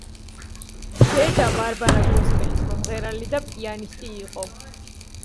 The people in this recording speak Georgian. დედა ბარბარა გოსპელის მომღერალი და პიანისტი იყო.